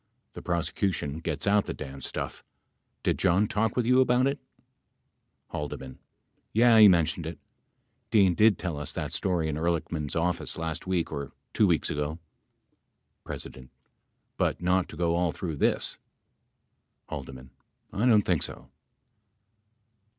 The prosecution gets out the damn stuff. Did John talk with you about it ? H. Yeh, he mentioned it. Dean did tell us that story in Ehrlichman's office last week or two weeks ago. P. But not to go all through this. H. I don't think so.